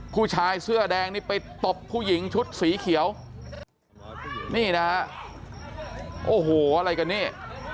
ผู้ชายเสื้อแดงนี่ไปตบผู้หญิงชุดสีเขียวนี่นะฮะโอ้โหอะไรกันนี่